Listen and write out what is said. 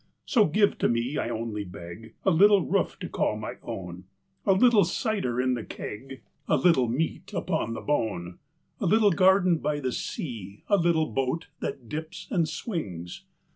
So give to me, I only beg, A little roof to call my own, A little cider in the keg, A little meat upon the bone; A little garden by the sea, A little boat that dips and swings